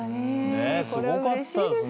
すごかったですね。